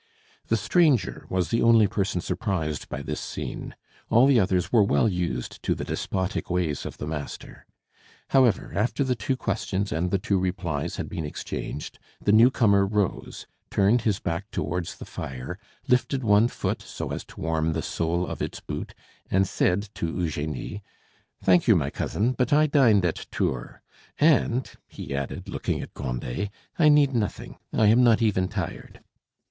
The stranger was the only person surprised by this scene; all the others were well used to the despotic ways of the master. However, after the two questions and the two replies had been exchanged, the newcomer rose, turned his back towards the fire, lifted one foot so as to warm the sole of its boot, and said to Eugenie, "Thank you, my cousin, but I dined at Tours. And," he added, looking at Grandet, "I need nothing; I am not even tired."